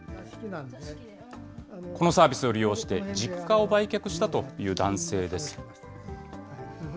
このサービスを利用して、実家を売却したという男性です。